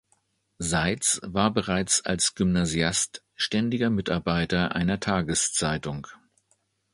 Seitz war bereits als Gymnasiast ständiger Mitarbeiter einer Tageszeitung.